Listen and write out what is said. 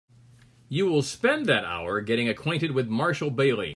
You will spend that hour getting acquainted with Marshall Bailey.